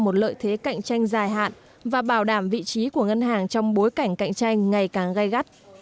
một lợi thế cạnh tranh dài hạn và bảo đảm vị trí của ngân hàng trong bối cảnh cạnh tranh ngày càng gai gắt